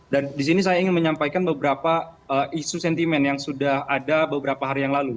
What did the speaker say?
dan di sini saya ingin menyampaikan beberapa isu sentimen yang sudah ada beberapa hari yang lalu